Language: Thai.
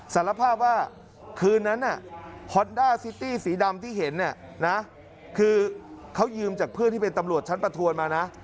สารภาพว่าคืนนั้นฮอนด้าซิตี้สีดำที่เห็นเนี่ยนะคือเขายืมจากเพื่อนที่เป็นตำรวจชั้นประทวนมานะ